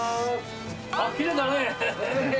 あっ、きれいだねぇ。